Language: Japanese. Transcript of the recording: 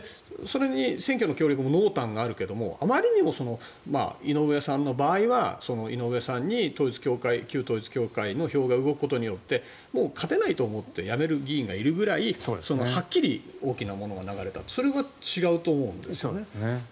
選挙の協力も濃淡があるけどあまりにも井上さんの場合は井上さんに旧統一教会の票が動くことによって勝てないと思って辞める議員がいるぐらいはっきり大きなものが流れたそれは違うと思うんですね。